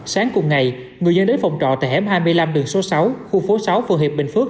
sáng cùng ngày người dân đến phòng trọ tại hẻm hai mươi năm đường số sáu khu phố sáu phường hiệp bình phước